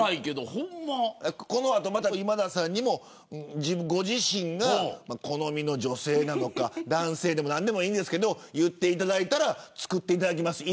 この後、今田さんにもご自身の好みの女性なのか男性なのか何でもいいんですけど言っていただいたら作っていただけます。